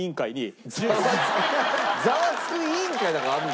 『ザワつく！』委員会なんかあるの？